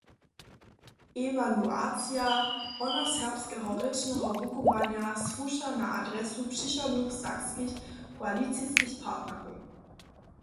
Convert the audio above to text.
Ewaluacija hornjoserbskeho rěčneho wukubłanja słuša na adresu přichodnych sakskich koaliciskich partnerow.